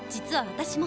私も！